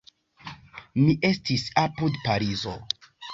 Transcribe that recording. Mi estis apud Parizo.